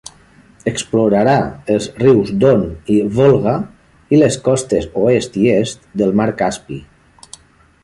Explorarà els rius Don i Volga, i les costes oest i est del mar Caspi.